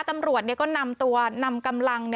ตำรวจก็นำกำลัง